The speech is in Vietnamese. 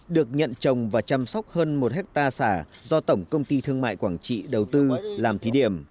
được nhận trồng và chăm sóc hơn một hectare xả do tổng công ty thương mại quảng trị đầu tư làm thí điểm